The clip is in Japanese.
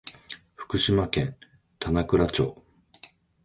福島県棚倉町